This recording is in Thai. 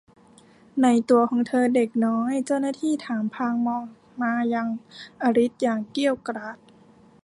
ไหนตั๋วของเธอเด็กน้อย เจ้าหน้าที่ถามพลางมองมายังอลิซอย่างเกรี้ยวกราด